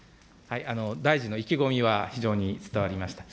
大臣の意気込みは非常に伝わりました。